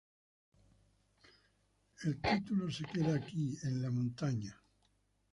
El título se queda aquí, en la Montaña".